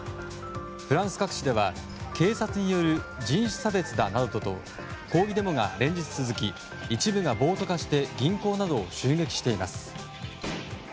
フランス各地では警察による人種差別だなどと抗議デモが連日続き一部が暴徒化して銀行などを襲撃しています。